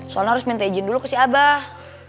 soalnya harus minta izin dulu ke si abah